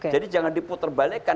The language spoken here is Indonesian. jadi jangan diputerbalikan